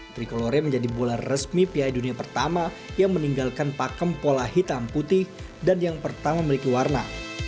tricolore menjadi bola resmi piala dunia pertama yang meninggalkan pakem pola hitam putih dan yang pertama memiliki warna